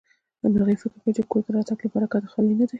مرغۍ فکر کوي چې کور ته راتګ يې له برکته خالي نه دی.